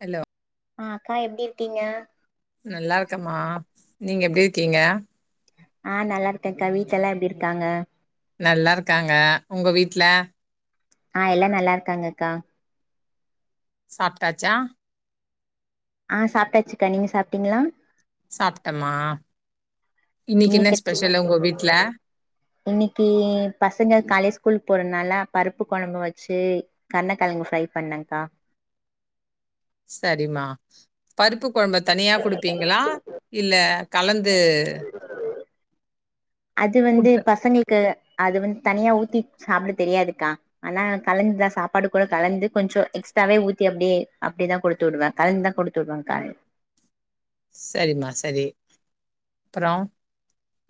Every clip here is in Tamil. ஹலோ ம் அக்கா எப்டி இருக்கீங்க நல்லா இருக்கம்மா நீங்க எப்டி இருக்கீங்க அ நல்லா இருக்கேன்க்கா வீட்ட எல்லா எப்டி இருக்காங்க நல்லா இருக்காங்க உங்க வீட்ல அ எல்லா நல்லா இருக்காங்க அக்கா சாப்ட்டாச்சா அ சாப்பிட்டாச்சுக்கா நீங்க சாப்ட்டீங்களா சாப்ட்டமா இன்னைக்கு என்ன இன்னிக்கு ஸ்பெஷல் உங்க வீட்ல இன்னிக்கு பசங்க காலில ஸ்கூல் போறனால பருப்பு கெழம்பு வெச்சு கர்னக்கெழங்கு ஃப்ரை பண்ணங்கா சரிமா பருப்பு கெழம்ப தனியா குடுப்பீங்களா இல்ல கலந்து அது வந்து குடுத்த பசங்களுக்கு அது வந்து தனியா ஊத்தி சாப்பிட தெரியாதுக்கா ஆனா கலந்துதா சாப்பாடு கூட கலந்து கொஞ்சோ எக்ஸ்ட்ராவே ஊத்தி அப்டியே அப்டிதா குடுத்து விடுவே கலந்துதா குடுத்து விடுவேங்கா சரிமா சரி அப்புறோ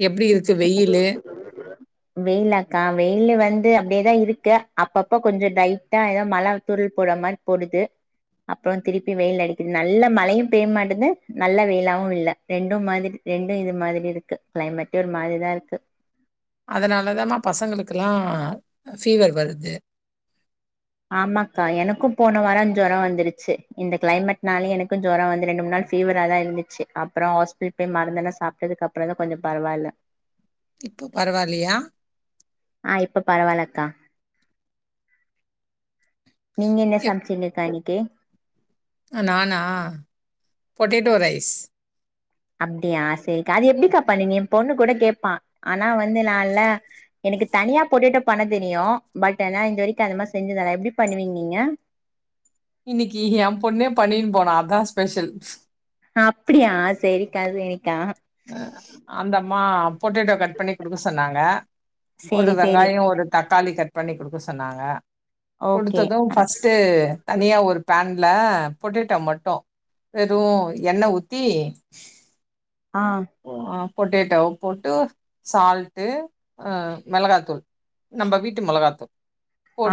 எப்பிடி இருக் வெயிலு வெயிலாக்கா வெயிலு வந்து அப்டியேதா இருக்கு அப்பப்ப கொஞ்சோ லைட்டா எதோ மழ துரல் போடுற மாரி போடுது அப்புறோ திருப்பி வெயில் அடிக்குது நல்ல மழையும் பெய்ய மாட்டேது நல்ல வெயிலாவும் இல்ல ரெண்டும் மாரி ரெண்டும் இது மாதிரி இருக்கு கிளைமேட்டு ஒரு மாதிரி இரு ல்லாருக்கு அதனாலதாம பசங்களுக்கெல்லா ஃபீவர் வருது ஆமாக்கா எனக்கு போன வாரோ ஜொரம் வந்துருச்சு இந்த கிளைமேட்னாலயு எனக்கு ஜொரம் வந்து ரெண்டு மூணு நாள் ஃபீவரா தா இருந்துச்சு அப்புறோ ஹாஸ்பிடல் போய் மருதெல்லா கொஞ்சோ சாப்பிட்துக்கு அப்பறோ தா கொஞ்ச பரவால்ல இப்போ பரவால்லயா க்கா நீங்க என்ன எப் சமச்சிங்க்கா இன் க்கி நானா பொட்டேட்டோ ரைஸ் அப்டியா செரிக்கா அது எப்டிக்கா பண்ணுவீங்க ஏ பொண்ணு கூட கேட்பா ஆனா வந்து நான்ல்ல எனக்கு தனியா போட்டேடோ பண்ண தெரியு பட் ஏனா இது வரைக்கு அது மாதிரி செஞ்சதல்ல எப்டி பண்ணுவீங்க நீங்க இன்னிக்கு ஏ பொண்ணே பண்ணின்னு போனா அதா ஸ்பெஷல் அப்டியா செரிக்கா செரி அ அந்த மா பொட்டேட்டோ கட் பண்ணி குடுக்க சொன்னாங்க ஒரு சேரி சேரி வெங்காயம் ஒரு தக்காளி கட் பண்ணி குடுக்க சொன்னாங்க ஓகே குடுத்ததும் அ ஃபர்ஸ்ட்டு தனியா ஒரு பேன்ல பொட்டேட்டோ மட்டு வெறு எண்ண ஊத்தி அ பொட்டேட்டோ போட்டு சால்ட்டு மெளகாத்தூள் நம்ம வீட்டு மெளகாத்தூள்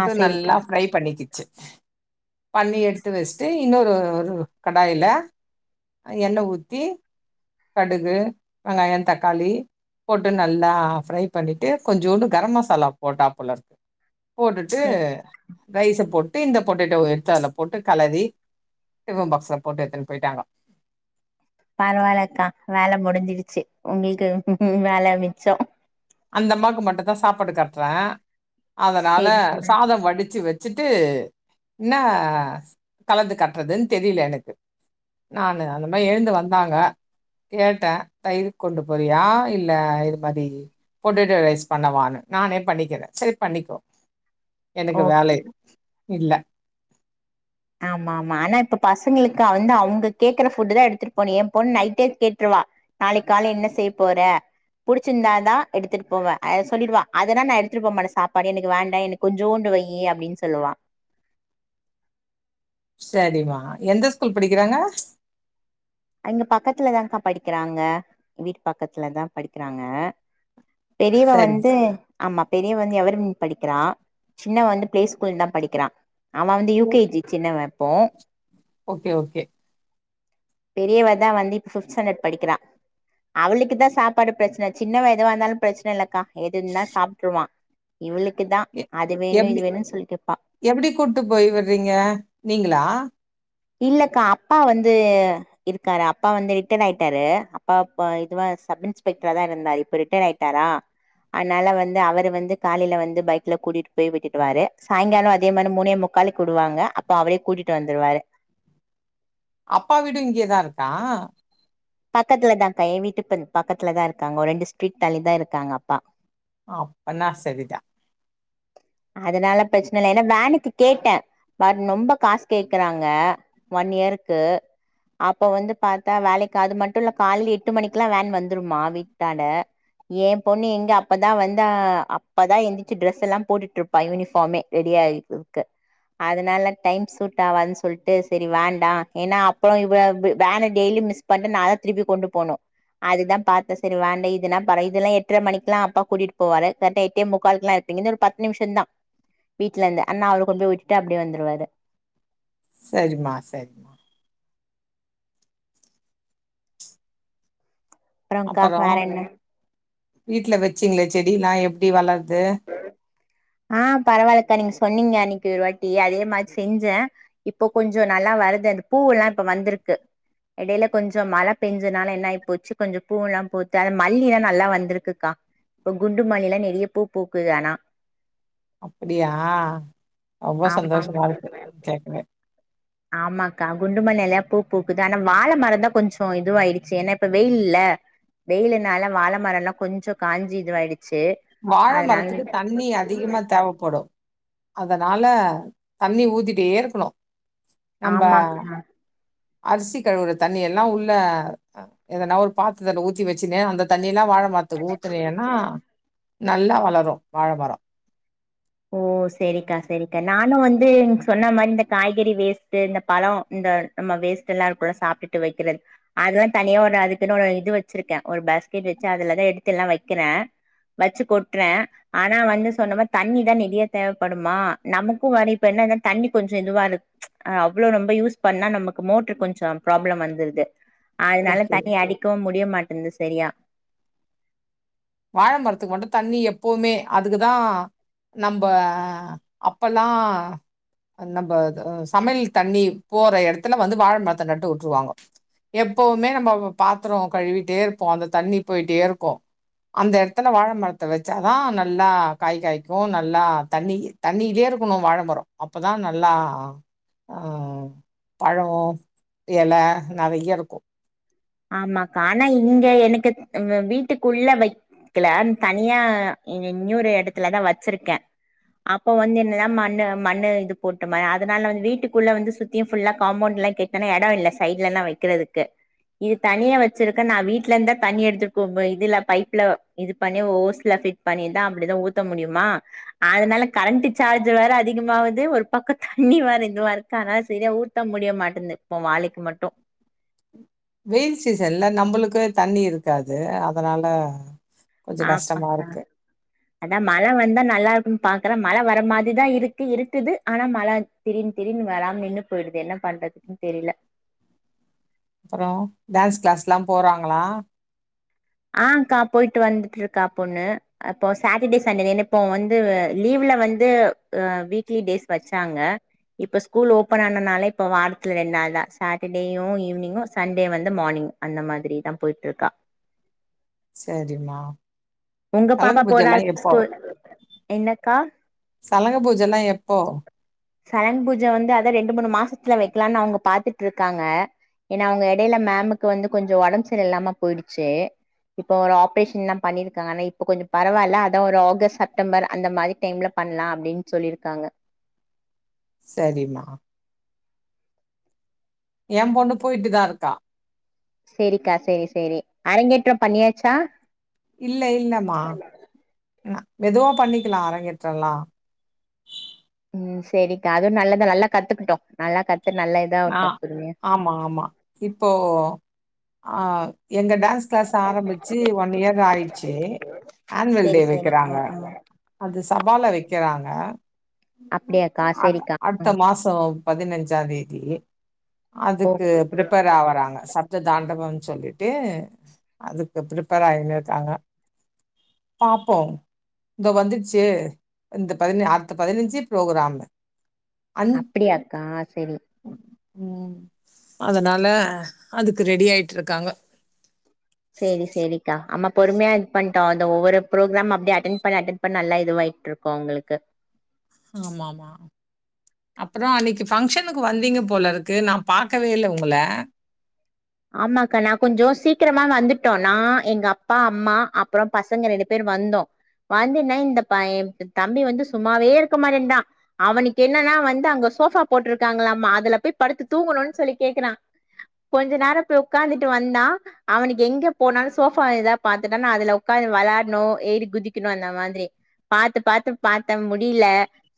ஆ சேரிக்கா நல்லா ஃப்ரை பண்ணிக்கி [unintelligible] பண்ணி எடுத்து வெஸ்டு இன்னொரு ஒரு கடாயில எண்ணெ ஊத்தி கடுகு வெங்காய தக்காளி போட்டு நல்லா ஃப்ரை பண்ணிட்டு கொஞ்சோண்டு கரம் மசாலா போட்டாப்புலருக்கு போட்டுட்டு சே ரைஸ போட்டு இந்த பொட்டேட்டோ எட்த்து அதுல போட்டு கலரி டிபன் பாக்ஸ்ல போட்டு எட்த்துன் போய்ட்டாங்கோ பரவால க்கா வேல முடிஞ்சிடிச்சி உங்ளுக்கு வேல மிச்சோ அந்த அம்மாக்கு மட்டு தா சாப்பாடு கட்றே அதனால சேரி சேரி சாதோ வடிச்சு வெ ச்சுட்டு இன்னோ கலந்து கட்றதுன் தெரிலெனக்கு நானு அந்த மாதிரி எழுந்து வந்தாங்க கேட்டே தயிரு கொண்டு போறியா இல்ல இது மாதி பொட்டேட்டோ ரைஸ் பண்ணவானு நானே பண்ணிக்கிறே செர் பண்ணிக்கோ எனக்கு ஓ வேலை இல்ல [unintelligible] அவுங்க கேக்குற ஃபுட்டு் தா எடுத்துட்டு போணு எ பொண்ணு நைட்டே கேட்ருவா நாளைக் கால என்ன செய்ய போற புடிச்சிந்தா தா எடுத்துட் போவ அ சொல்லிடுவா அதெல்லா நா எடுத்துட் போமாட்டே சாப்பாடு எனக்கு வேண்டா எனக் கொஞ்சோண்டு வையி அப்டின் சொல்லுவா செரிமா எந்த ஸ்கூல் படிக்கிறாங்க அங்க பக்கத்துலதான்க்கா படிக்கிறாங்க வீட்டு பக்கத்துலதா படிக்கிறாங்க பெரியவ சரி வந்து ஆமா பெரியவந் எரு எவர்வின் படிக்கிறா சின்னவ வந்து ப்ளே ஸ்கூல் தா படிக்கிறா அவ வந்து யூ கே ஜி சின்னவ ப்போ ஓகே ஓகே பெரியவதா வந்து இப்ப ஃபிப்த் ஸ்டாண்டட் படிக்கிறா அவளுக்குதா சாப்பாடு ப்ரெச்ன சின்னவ எதா இந்தாலு ப்ரெச்ன இல்லக்கா எதுன்னா சாப்ட்டுருவா இவளுக் எ எப்டி எப்படி கூட்டு போய்விட்றீங்க நீங்களா இல்லக்கா அப்பா வந்து இருக்காரு அப்பா வந்து ரிட்டர் ஆய்ட்டாரு அப்பா அப்பா இதுவ சப் இன்ஸ்பெக்ட்ரா தா இருந்தாரு இப்ப ரிட்டர் ஆயிட்டாரா அத்னால வந்து அவரு வந்து காலில வந்து பைக்ல கூட்டிட் போய் விட்டுட்டுவாரு சாய்ங்காலோ அதே மாரி மூணே முக்காலுக் விடுவாங்க அப்பா அவரே கூட்டிட்டு வந்துருவாரு அப்பா வீடு இங்யேதா இருக்கா பக்கத்துலதான்க்கா ஏ வீட்டுக் [unintelligible] பக்கத்லதா இருக்காங் ஒஓர் ரெண்டு ஸ்ட்ரீட் தள்ளி தா இருக்காங்க அப்பா அப்ப நா செரிதா அதனால ப்ரெச்ன இல்ல ஏன்னா வேனுக்கு கேட்டே பட் ரொம்ப காசு கேக்கறாங்க ஒன் யேருக்கு அப்ப வந்து பாத்தா வேலைக் அது மட்டுல்ல கால எட்டு மணிக்ல்லா வேன் வந்துடுமா வீட்டான்ட ஏ பொண்ணு எங்க அப்பதா வந்து அ அப்பதா எந்திச்சி ட்ரெஸெல்லா போட்டுருப்ப யூனிஃபாமே ரெடியாயி இருக்க அதனால டைம் சூட் ஆவாதுன் சொல்ட்டு செரி வேண்டா ஏன்னா அப்றோ இவ வ் வேன டெய்லி மிஸ் பன்டு நா தா திருப்பி கொண்டு போனோ அதுதா பாத்த செரி வேண்ட இதுனா ப இதெல்லா எட்ர மணிக்லா அப்பா கூட்டிட்டு போவாரு கரெட்டா எட்டே முக்கால்க்குலா [unintelligible] இங்கந்து ஒரு பத்து நிம்ஷ தா வீட்ல இருந்து அண்ணா அவரு கொண்டு போய் விட்டுட்டு அப்டே வந்துருவரு சரிம்மா, சரிம்மா. அப்பறோ கா வேற அப்பறம் என்ன வீட்ல வெச்சீங்ளே செடில்லா எப்டி வளர் து அ பரவால்லக்கா நீங் சொன்னீங்க அன்னிக்கு ஒரு வாட்டி அதே மார் செஞ்சே இப்போ கொஞ்சோ நல்லா வருது அந்த பூ எல்லா இப்ப வந்துருக்கு எடைல கொஞ்சோ மழ பெஞ்சனால என்னாய் போச்சு கொஞ்சோ பூல்லா பூத்து அத மல்லி லா நல்லா வந்திருக்குக்கா இப்போ குண்டு மல்லிலா நெறைய பூ பூக்குது ஆனா அப்படியா ரொம்போ ஆமா ஆமா சந்தோஷமா இருக்கு ம் கேக்கவே ஆமாக்கா குண்டுமல்லி நெறைய பூ பூக்குது ஆனா வாழமரந்தா கொஞ்சோ இதுவாயிடுச்சு ஏன்னா இப்ப வெயில் ல வெயிலுனால வாழ மரோலா கொஞ்சோ காஞ்சி இதுவாயிடுச் வாழ மரத்துக்கு தண்ணி அதிகமா தேவப்படு அதனால தண்ணி ஊத்திட்டே இருக்குனோ ஆமாக்க அரிசி கழுவுற தண்ணி எல்லா உள்ள எதுனா ஒரு பாத்தரதல ஊத்தி வெச்சுன்னு அந்த தண்ணி தண்ணி எல்லா வாழ மரத்துக்கு ஊத்துனின்னா நல்லா வளரு வாழமரோ ஓ செரிக்கா செரிக்கா நானும் வந்து சொன்ன மாரி இந்த காய்கறி வேஸ்ட்ட் இந்த பழம் இந்த நம்ம வேஸ்ட் எல்லா இருக்கும்ல்ல சாப்பிட்டுட்டு வைக்கிறது அதெல்லா தனியா ஒரு அதுக்குன்னு இது வச்சிருக்கேன் ஒரு பாஸ்கெட் வெச்சு அதுலதா எடுத்து எல்லா வைக்கிறேன் வெச்சு கொட்டுறே ஆனா வந்து சொன்ன மாரி தண்ணி நெறையா தேவைப்படுமா நமக்கு வ இப்ப என்னன்னா தண்ணி கொஞ்சம் இதுவா இரு அவ்ளோ ரொம்ப யூஸ் பண்ணா நமக்கு மோட்டரு கொஞ்சோ ப்ராப்ளம் வந்துருது அதனால ஓகே. தண்ணி அடிக்கவு முடிய மாட்டிங் இருந்து சரியா வாழமரத்துக்கு மட்டு தண்ணி எப்பவுமே அதுக்குதா நம்ப அப்பல்லா அ நம்ப இது சமையல் தண்ணி போற எடத்துல வந்து வாழை மரத்தை நட்டு விட்டுருவாங்க எப்பவுமே நம்ம பாத்திர கழுவிட்டே இருப்போ அந்த தண்ணி போயிட்டே இருக்கு அந்த எடத்துல வாழைமரத்தை வச்சாதான் நல்லா காய் காய்க்கு நல்லா தண்ணி தண்ணிலே இருக்கணு வாழைமரம் அப்பதா நல்லா ஆ பலோ எல நெறைய இருக்கு ஆமாக்கா ஆனா இங்க எனக்கு வெ வீட்டுக்குள்ள வைக்ல தனியா இங் இன்னொரு எடத்துலதா வச்சிருக்கே அப்போ வந்து என்னனா மண்ணு மண்ணு இது போட்டுமே அதுனால வந்து வீட்டுக்குள்ள வந்து சுத்தியூ ஃபுல்லா காம்பவுண்ட்ல கெட்டுன்னா எடோ இல்ல சைட்லல்லா வக்கிறதுக்கு இது தனியா வச்சிருக்கே நா வீட்டுல இருந்தா தண்ணி எடுத்துக்கோ இதுல பைப்ல இது பண்ணி ஓஸ்ல ஃபிட் பண்ணிதா அப்டிதா ஊத்த முடியுமா அதனால கரண்ட் சார்ஜ் வேற அதிகமாவுது ஒரு பக்கம் தண்ணி வேற இதுவா இருக்கு அதனால சரியா ஊத்த முடிய மாட்டேந்து இப்போ வாழைக்கு மட்டு வெயில் சீசன்ல நம்மளுக்கே தண்ணி இருக்காது அதனால கொஞ்சம் கஷ்டமா ஆமாக்க இருக்கு அதா மழ வந்தா நல்லா இருக்கும்ன் பா அக்கற மழ வர மாதிரிதா இருக்கு இருக்குது ஆனா மழ திடின்னு திடின்னு வராமனு நின்று போயிடுது என்ன பண்றதுன்னு தெரியல அப்புறோ டான்ஸ் க்ளாஸ்லா போறாங்ளா ஆங்க்கா போய்ட்டு வந்துட்டு இருக்கா பொண்ணு அப்போ சாட்டர்டே சண்டேன இப்போ வந்து லீவ்ல வந்து அ வீக்லி டேஸ் வச்சாங்க இப்ப ஸ்கூல் ஓபன் ஆனனால இப்ப வாரத்துல ரெண்டு நாள் தான் சாட்டர்டேயு ஈவினிங்கு சண்டே வந்து மார்னிங் அந்த மாதிரி தா போயிட்ருக்கா செரிமா உங்க பாப்பா போற ஸ்கூ என்னக்கா சலங்க பூஜல்லா எப்போ சலங் பூஜை வந்து அதா ரெண்டு மூணு மாசத்துல வைக்கலாம்னு அவங்க பாத்துட்ருக்காங்க ஏன்னா அவங்க எடையில மேமுக்கு வந்து கொஞ்ச ஒடம்ப சரி இல்லாம போயிடுச்சு இப்ப ஒரு ஆப்ரேஷன் எல்லா பண்ணிரு க ஆனா இப்ப கொஞ்சோ பரவால்ல அதா ஒரு ஆகஸ்ட் செப்டம்பர் அந்த மாரி டைம்ல பண்லா அப்டின் சொல்லிருக்காங்க சரிம்மா ஏ பொண்ணு போயிட்டு தா இருக்கா செரிக்கா செரி செரி அரங்கேற்றோ பண்ணியாச்சா இல்ல இல்லமா ம மெதுவா பண்ணிக்கலா அரங்கேற்றல்லா ம் சரிக்கா அதுவு நல்லதுதா நல்லா கத்துக்குட்டு நல்லா க ஆ ஆமா ஆமா இப்போ ஆவ் எங்க டான்ஸ் கிளாஸ் ஆரம்பிச்சு ஒன் இயர் ஆயிடுச்சு ஆன்வல் டே சேரி சேரி ஆ வைக்கிறாங்க ஆ அது சபால வை இருக்கிறாங்க அப்டியாக்கா அ சேரிக்கா ஆ அடுத்த மாச பதினஞ்சாதி தியே ஓ அதுக்கு பிரிப்பேர் ஆவுறாங்க சப்த தாண்டபம் சொல்லிட்டு அதுக்கு பரிப்பேர் ஆயினு இருக்காங்க பாப்போம் இந்த வந்துடுச்சு இந்த பதி அடுத்த பதினஞ்சு ப்ரோக்ராமு அப்பிடியாக்கா செரி ம் அதனால அதுக்கு ரெடி ஆய்ட்ருக்குறாங்க சேரி சேரிக்கா ஆமா பொறுமையா இது பண்ட்டோ அந்த ஒவ்வொரு ப்ரோகிராம் அப்டியே அட்டன் பண்ண அட்டன் பண்ண நல்லா இதுவாயிட்ருக்கூ அவுங்களுக்கு ஆமாமா அப்புறஅன்னைக்கு ஃபங்க்ஷனுக்கு வந்தீங்க போல இருக்கு நா பாக்கவே இல்ல உங்கள ஆமாக்கா நா கொஞ்சோ சீக்கிரமா வந்துட்டோ நா எங்கப்பா அம்மா அப்றோ பசங்க ரெண்டு பேர் வந்தோ வந்துன்னா இந்த ப எந்தம்பி வந்து சும்மாவே இருக்க மாட்டேன்றா அவனுக்கு என்னன்னா வந்து அங்க சோஃபா போட்டுருக்காங்கலாமா அதுல போய் படுத்து தூங்கணூன் சொல்லி கேக்குறா கொஞ்ச நேரோ போய் உக்காந்துட்டு வந்தா அவனுக்கு எங்க போனாலு சோபாதா பாத்துட்டானா அதுல உகாந்து வளாட்ணு ஏறி குதிக்கணு அந்த மாரி பாத்து பாத்து பாத்த முடியல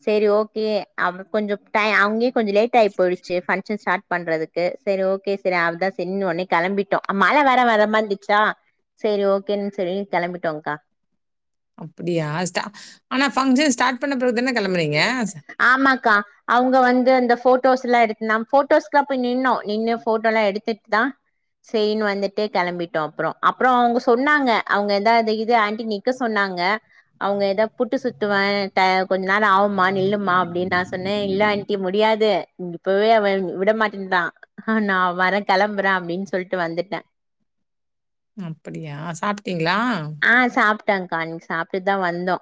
சரி ஓகே அவ கொஞ்ச டயம் அவ்ங்கே கொஞ்சம் லேட்ஆய்போயிடுச்சு பங்சன் ஸ்டார்ட் பண்றதுக்கு சரி ஓகே சரி அவதா ச சரின்னு ஒனே கெளம்பிட்டோ மழ வேற வரமா இருந்துச்சா சரி ஓகேன்னு சரி கெளம்பிட்டோ கா அப்பிடியா ஆனா பங்க்ஷன் ஸ்டார்ட் பண்ண பிறகு தானே கெளம்புனீங்க? ச ஆமாக்கா அவங்க வந்து அந்த போட்டோஸ் எல்லா எடுத்துட்டு தா போட்டோஸ்க்கு எல்லா நின்னோ நின்னு ஃபோட்டோலாம் எடுத்துகட்டு சேரின்னு வந்து வந்துட்டு கிளம்பிட்டோம் அப்புறோ அப்புறோ அவங்க சொன்னாங்க அவங்க எதாவ அது இது ஆன்ட்டி நிற்க சொன்னாங்க அவங்க எதோ புட்டு சுத்துவ கொஞ்ச நேரோ ஆகுமா நில்லுமா அப்டின்னு நா சொன்னே இல்ல ஆன்ட்டி முடியாது இப்பவே அவன் விட விடமாட்டேங்கிறான் நா வர கிளம்புறே அப்டின்னு சொல்லிட்டு வந்துட்டே அப்டியா சாப்ட்டீங்களா அதாங்க நீ சாப்பிட்டு தா வந்தோ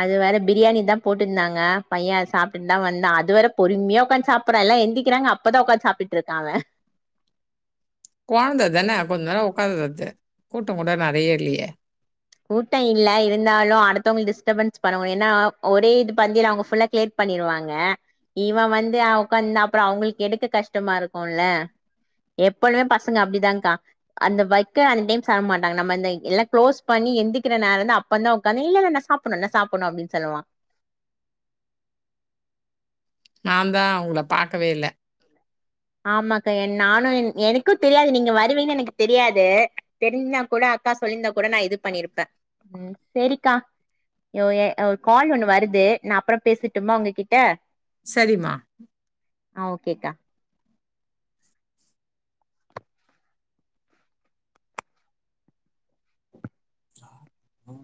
அது வேற பிரியாணி தான் போட்டுட்டு இருந்தாங்க பையன் சாப்பிட்டு தா வந்தான் அதுவரை பொறுமையா உட்காந்து சாப்பிடுறேன் எல்லாம் எந்திரிக்கிறாங்க அப்பதா உட்காந்து சாப்பிட்டு இருக்காங்க கெழந்ததானே கொஞ்சோ நேரோ உட்கார்ந்து இரு கூட்டம் கூட நெறைய இல்லியே கூட்டம் இல்ல இருந்தாலு அடுத்தவங்க டிஸ்டர்பன்ஸ் பண்ணணும் ஏன்னா ஒரே இது பந்தியில அவங்க புல்லா கிளியர் பண்ணிருவாங்க இவன் வந்து அவட்காந்த அப்புறம் அவங்களுக்கு எடுக்க கஷ்டமா இருக்கும்ல எப்பழுமே பசங்க அப்டிதான்கா அந்த வர்க அந்த டைம் சாப்ட மாட்டாங்க நம்ம எல்லாம் க்ளோஸ் பண்ணி எந்திரிக்கிற நேரம் தான் இரு அப்ப தான் உட்காந்து இல்லலை என்ன சாப்பிடணும் என்ன சாப்பிடணும் அப்படின்னு சொல்லுவான் நா தா உங்ல பாக்கவே இல்ல ஆமா அக்கா ஏ நானும் எனக்கு தெரியாது நீங்க வருவீங்கு எனக்கு தெரியாது தெரிஞ்சா கூட அக்கா சொல்லியிருந்தா கூட நா இது பண்ணிருப்பே ம் சேரிக்கா ஒ கால் ஒண்ணு வருது நா அப்புறோ பேசுட்டுமா உங்ககிட்ட சரிம்மா அ ஓகேக்கா ம்